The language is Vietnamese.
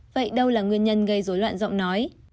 vậy đâu là nguyên nhân gây dối loạn giọng nói